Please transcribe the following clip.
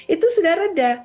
itu sudah reda